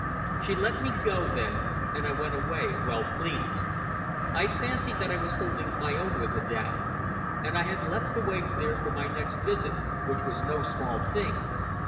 She let me go then, and I went away well pleased. I fancied that I was holding my own with Madame. And I had left the way clear for my next visit, which was no small thing.